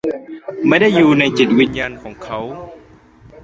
ไม่ได้อยู่ในจิตวิญญาณของเขา ?